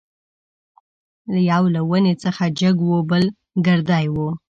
یو له ونې څخه جګ وو بل ګردی وو.